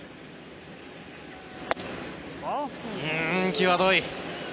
際どい。